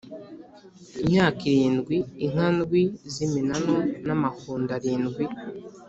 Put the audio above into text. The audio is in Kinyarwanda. Imyaka irindwi Inka ndwi z’ iminanu n’ amahundo arindwi